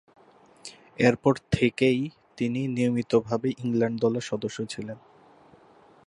এরপর থেকেই তিনি নিয়মিতভাবে ইংল্যান্ড দলের সদস্য ছিলেন।